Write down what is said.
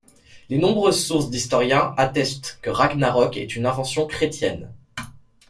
Les nombreuses sources d’Historiens attestent que Ragnarök est une invention chrétienne.